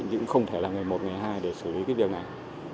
nhưng cũng không thể là ngày một ngày hai để xử lý cái điều này